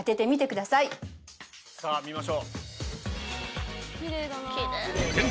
さぁ見ましょう。